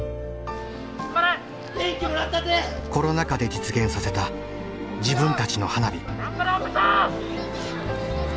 コロナ禍で実現させた自分たちの花火。